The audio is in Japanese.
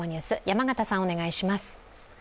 山形さん、お願いします。